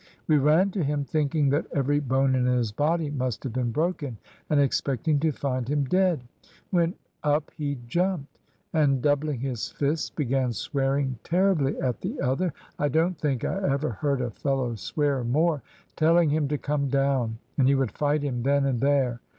We ran to him, thinking that every bone in his body must have been broken, and expecting to find him dead, when up he jumped, and doubling his fists began swearing terribly at the other, I don't think I ever heard a fellow swear more, telling him to come down, and he would fight him then and there.